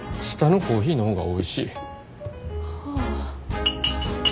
下のコーヒーの方がおいしい。